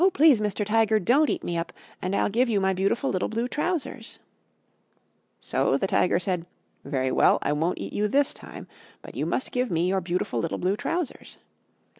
Please, Mr. Tiger, don't eat me up, and I'll give you my beautiful little Blue Trousers." So the Tiger said, "Very well, I won't eat you this time, but you must give me your beautiful little Blue Trousers."